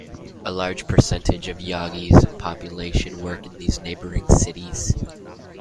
A large percentage of Yagi's population work in these neighboring cities.